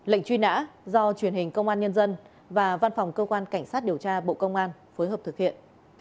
lệnh truy nã do truyền hình công an nhân dân và văn phòng cơ quan cảnh sát điều tra bộ công an phối hợp thực hiện